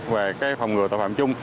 về cái phòng ngừa tội phạm chung